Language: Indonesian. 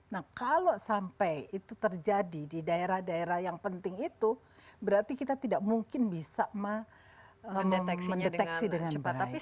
nah kalau sampai itu terjadi di daerah daerah yang penting itu berarti kita tidak mungkin bisa mendeteksi dengan cepat